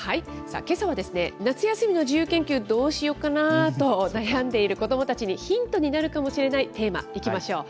けさは夏休みの自由研究、どうしようかなと悩んでいる子どもたちにヒントになるかもしれないテーマ、いきましょう。